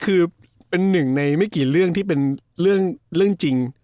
คือเป็นหนึ่งในไม่กี่เรื่องที่เป็นเรื่องจริง